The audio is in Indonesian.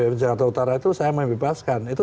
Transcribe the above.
jawa tenggara utara itu saya membebaskan itu